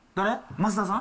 増田さん？